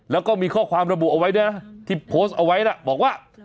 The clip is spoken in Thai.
แล้วก็มีข้อความระบุเอาไว้ด้วยนะที่โพสต์เอาไว้นะบอกว่า